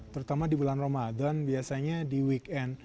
terutama di bulan ramadan biasanya di weekend